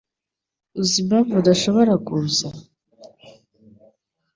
Uzi impamvu adashobora kuza?